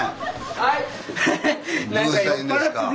・はい！